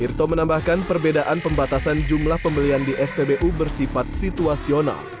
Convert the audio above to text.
irto menambahkan perbedaan pembatasan jumlah pembelian di spbu bersifat situasional